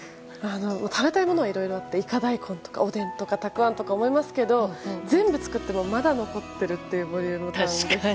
食べたいものいろいろあってイカ大根とかおでんとかたくあんとか思いますけど全部作ってもまだ残ってるボリュームなので。